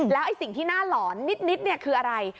แล้วไอ้สิ่งที่น่าหลอนนิดคืออะไร